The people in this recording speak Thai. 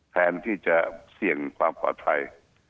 แทนที่จะเกี่ยงปัญหาไข่